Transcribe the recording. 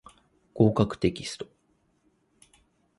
合格テキスト